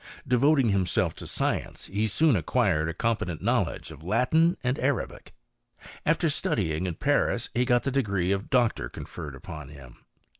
Devoting himself to science he soon acquired a competent knowledge of Latin and Arabic. After studying in Paris he got the degree of doctor conferred upon him.